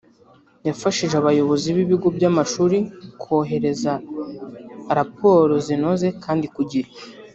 yafashije abayobozi b’ibigo by’amashuri kohereza raporo zinoze kandi ku gihe